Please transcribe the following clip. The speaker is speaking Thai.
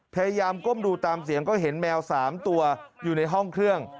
พยายามก้มดูตามเสียงก็เห็นแมว๓ตัวอยู่ในห้องเครื่อง